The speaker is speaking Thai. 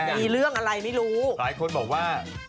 มีเรื่องอะไรไม่รู้หลายคนบอกว่า